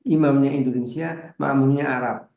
imamnya indonesia makmunya arab